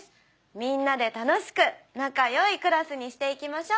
みんなで楽しく仲良いクラスにしていきましょう。